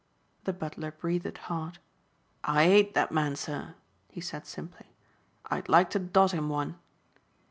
The butler breathed hard. "I 'ate that man, sir," he said simply. "I'd like to dot him one."